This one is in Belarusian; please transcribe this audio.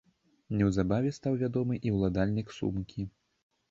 Неўзабаве стаў вядомы і ўладальнік сумкі.